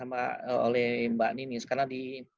mbak nini karena di